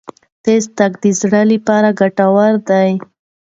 تېز تګ د زړه لپاره ګټور دی.